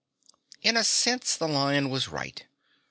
In a sense the lion was right.